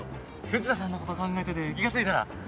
藤田さんのこと考えてて気が付いたら。